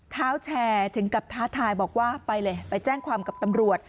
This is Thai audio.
เท้าแชร์ถึงกับท้าทายบอกว่าไปเลยไปแจ้งความกับตำรวจ